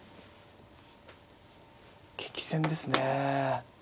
激戦ですね。